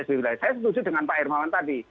saya setuju dengan pak hermawan tadi